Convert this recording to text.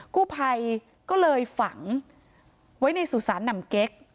กู้ภัยก็เลยฝังไว้ในสุสานหนำเก๊ก